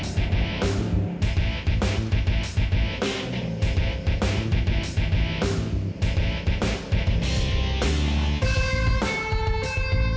soalnya aku ada calling yang dari dekat